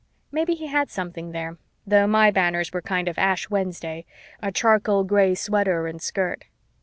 Maybe he had something there, though my banners were kind of Ash Wednesday, a charcoal gray sweater and skirt.